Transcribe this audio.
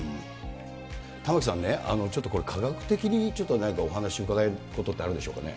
玉城さんね、これ、科学的にちょっと何かお話伺えることってあるんでしょうかね。